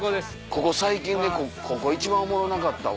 ここ最近でここ一番おもろなかったわ。